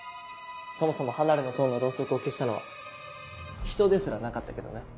そもそも離れの塔のロウソクを消したのは人ですらなかったけどね。